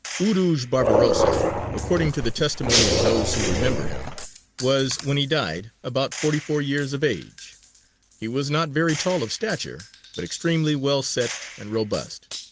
"Urūj Barbarossa, according to the testimony of those who remember him, was, when he died, about forty four years of age. He was not very tall of stature, but extremely well set and robust.